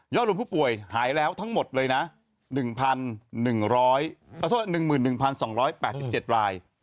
รวมผู้ป่วยหายแล้วทั้งหมดเลยนะ๑๑๒๘๗ราย